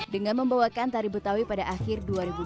dengan membawakan tari betawi pada akhir dua ribu dua puluh